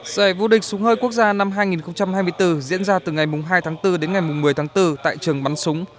giải vô địch súng hơi quốc gia năm hai nghìn hai mươi bốn diễn ra từ ngày hai tháng bốn đến ngày một mươi tháng bốn tại trường bắn súng